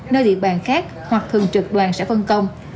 nơi địa bàn khác hoặc thường trực đoàn sẽ phân công